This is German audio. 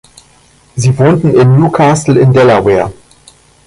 Sie wohnten in New Castle in Delaware.